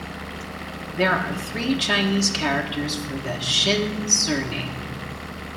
There are three Chinese characters for the Shin surname.